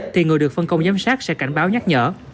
thì người được phân công giám sát sẽ cảnh báo nhắc nhở